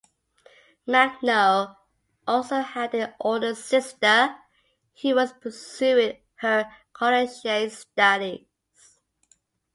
Magno also had an older sister who was pursuing her collegiate studies.